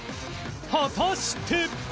果たして？